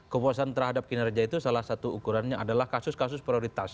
kepuasan terhadap kinerja itu salah satu ukurannya adalah kasus kasus prioritas